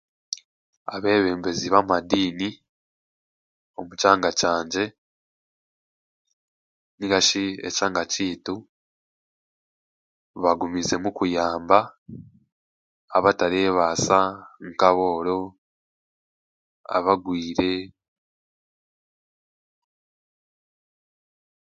Abeebembezi b'amadiini omu kyanga kyangye nainga shi ekyanga kyaitu bagumiizemu kuyamba abatareebaasa nk'abooro, abagwaire